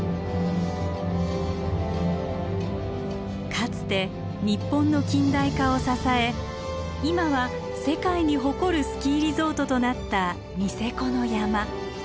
かつて日本の近代化を支え今は世界に誇るスキーリゾートとなったニセコの山。